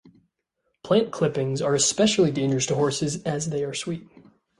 Plant clippings are especially dangerous to horses, as they are sweet.